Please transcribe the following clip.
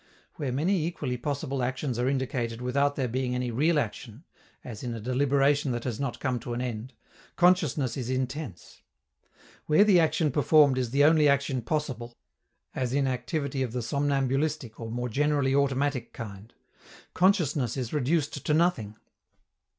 Where many equally possible actions are indicated without there being any real action (as in a deliberation that has not come to an end), consciousness is intense. Where the action performed is the only action possible (as in activity of the somnambulistic or more generally automatic kind), consciousness is reduced to nothing.